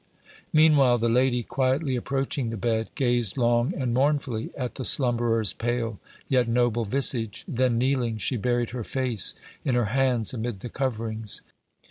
Meanwhile the lady, quietly approaching the bed, gazed long and mournfully at the slumberer's pale yet noble visage; then, kneeling, she buried her face in her hands amid the coverings.